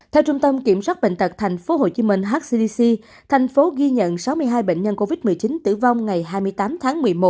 theo trung tâm kiểm soát bệnh tật tp hcm hcdc thành phố ghi nhận sáu mươi hai bệnh nhân covid một mươi chín tử vong ngày hai mươi tám tháng một mươi một